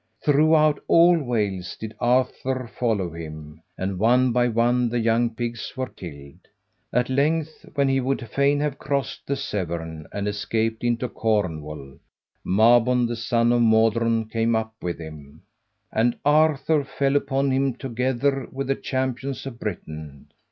Throughout all Wales did Arthur follow him, and one by one the young pigs were killed. At length, when he would fain have crossed the Severn and escaped into Cornwall, Mabon the son of Modron came up with him, and Arthur fell upon him together with the champions of Britain.